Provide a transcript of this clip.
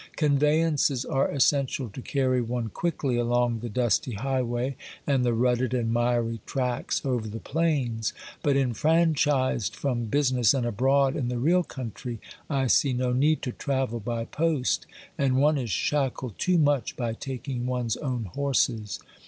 Conveyances are essential to carry one quickly along the dusty highway and the rutted and miry tracks over the plains, but enfranchised from business and abroad in the real country, I see no need to travel by post, and one is shackled too much by taking one's own horses.